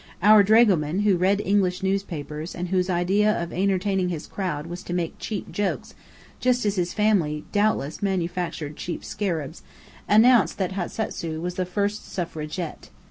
Our dragoman, who read English newspapers and whose idea of entertaining his crowd was to make cheap jokes (just as his family doubtless manufactured cheap scarabs), announced that Hatasu was the "first suffragette."